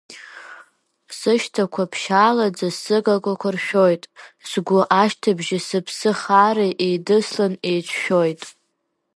Сышьҭақәа ԥшьаалаӡа сыгагақәа ршәоит, сгәы ашьҭыбжьи сыԥсы хаареи еидыслан, еицәшәоит.